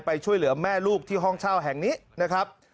ช่วยเหลือแม่ลูกที่ห้องเช่าแห่งนี้นะครับ